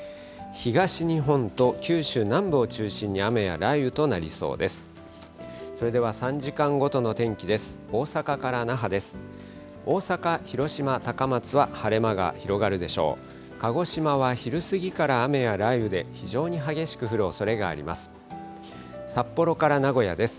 東日本と九州南部を中心に雨や雷雨となりそうです。